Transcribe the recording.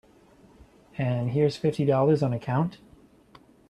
And here's fifty dollars on account.